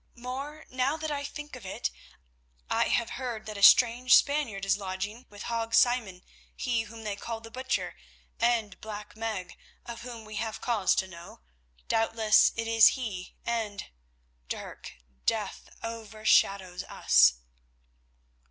More, now that I think of it, I have heard that a strange Spaniard is lodging with Hague Simon, he whom they call the Butcher, and Black Meg, of whom we have cause to know. Doubtless it is he, and—Dirk, death overshadows us."